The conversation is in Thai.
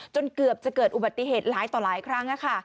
เกือบจะเกิดอุบัติเหตุหลายต่อหลายครั้ง